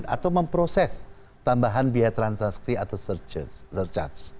atau memproses tambahan biaya transaksi atau search